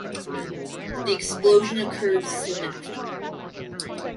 The explosion occurred soon after.